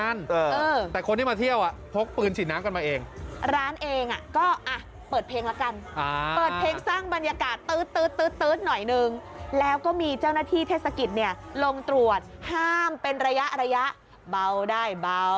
อันนี้นี่มาเมื่ออันอาทิตย์เอาไว้